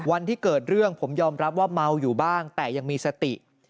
วันที่เกิดเรื่องผมยอมรับว่าเมาอยู่บ้างแต่ยังมีสติ